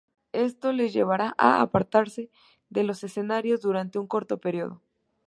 Esto les llevará a apartarse de los escenarios durante un corto período.